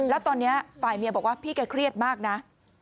แล้วตอนนี้ฝ่ายเมียบอกว่าพี่แกเครียดมากนะ